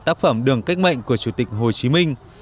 tác phẩm đường cách mệnh của chủ tịch hồ chí minh